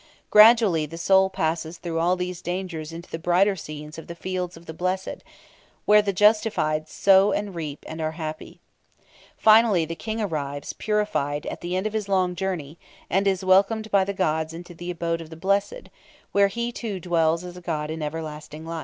Gradually the soul passes through all these dangers into the brighter scenes of the Fields of the Blessed, where the justified sow and reap and are happy. Finally, the King arrives, purified, at the end of his long journey, and is welcomed by the gods into the Abode of the Blessed, where he, too, dwells as a god in everlasting life.